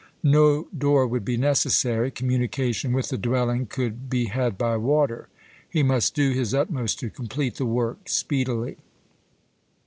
No door would be necessary. Communication with the dwelling could be had by water. He must do his utmost to complete the work speedily.